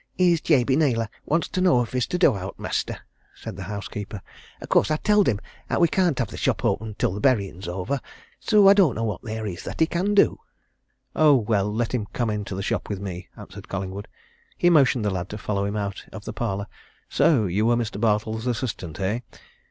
"Here's Jabey Naylor wants to know if he's to do aught, Mestur," said the housekeeper. "Of course, I've telled him 'at we can't have the shop open till the burying's over so I don't know what theer is that he can do." "Oh, well, let him come into the shop with me," answered Collingwood. He motioned the lad to follow him out of the parlour. "So you were Mr. Bartle's assistant, eh?"